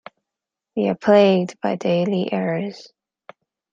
We are plagued by daily errors.